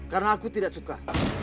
karena aku tidak suka